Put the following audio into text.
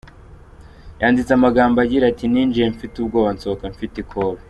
Yanditse amagambo agira ati “Ninjiye mfite ubwoba, nsohoka mfite ikobe.